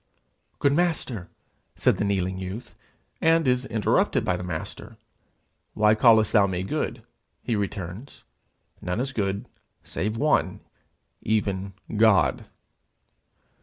'Good Master,' said the kneeling youth, and is interrupted by the Master: 'Why callest thou me good?' he returns. 'None is good save one, even God.'